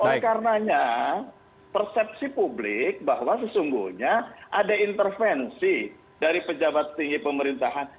oleh karenanya persepsi publik bahwa sesungguhnya ada intervensi dari pejabat tinggi pemerintahan